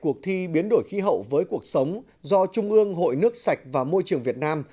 cuộc thi biến đổi khí hậu với cuộc sống do trung ương hội nước sạch và môi trường việt nam